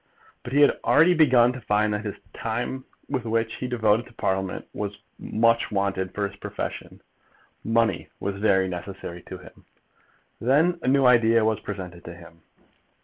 But he had already begun to find that the time which he devoted to Parliament was much wanted for his profession. Money was very necessary to him. Then a new idea was presented to him.